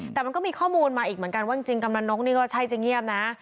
แต่มันก็มีข้อมูลมาอีกเหมือนกันว่าจริงกำนันนกนี่ก็ใช่จะเงียบนะ